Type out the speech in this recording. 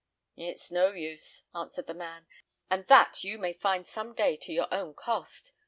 "It's no use," answered the man, "and that you may find some day to your own cost.